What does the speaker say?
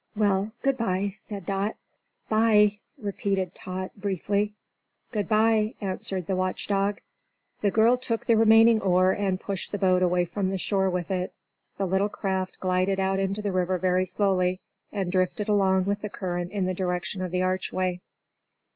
"Well, good bye," said Dot. "Bye!" repeated Tot, briefly. "Good bye," answered the Watch Dog. The girl took the remaining oar and pushed the boat away from the shore with it. The little craft glided out into the river very slowly, and drifted along with the current in the direction of the archway.